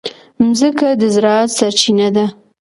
مځکه د زراعت سرچینه ده.